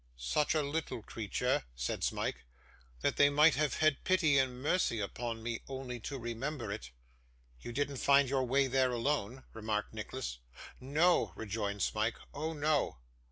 'Such a little creature,' said Smike, 'that they might have had pity and mercy upon me, only to remember it.' 'You didn't find your way there, alone!' remarked Nicholas. 'No,' rejoined Smike, 'oh no.